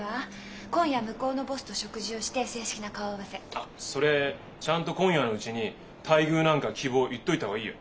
あっそれちゃんと今夜のうちに待遇なんか希望言っといた方がいいよ。